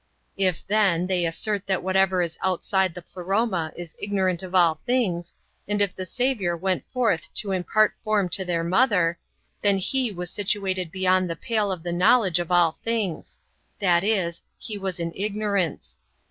If, then, they assert that whatever is outside [the Pleroma] is ignorant of all things, and if the Saviour went forth to impart form to their Mother, then He w^as situated beyond the pale of the knowledge of all things ; that is, He was in ignorance.